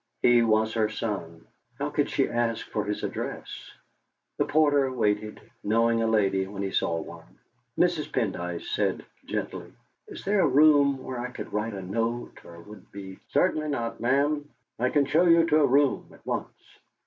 He was her son; how could she ask for his address? The porter waited, knowing a lady when he saw one. Mrs. Pendyce said gently: "Is there a room where I could write a note, or would it be " "Certainly not, ma'am. I can show you to a room at once."